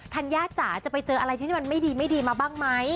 ัญญาจ๋าจะไปเจออะไรที่มันไม่ดีไม่ดีมาบ้างไหม